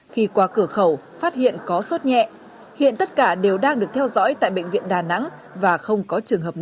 khi qua cửa khẩu phát hiện có sốt nhẹ hiện tất cả đều đang được theo dõi tại bệnh viện đà nẵng và không có trường hợp nào